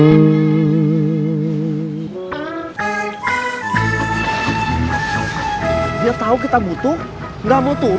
waalaikumsalam warahmatullah wabarakatuh